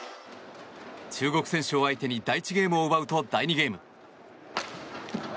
中国選手を相手に第１ゲームを奪うと第２ゲーム。